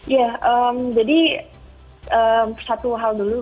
ya jadi satu hal dulu